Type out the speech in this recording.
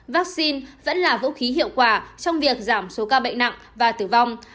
vaccine vẫn là vũ khí hiệu quả trong việc giảm số ca bệnh nặng và tử vong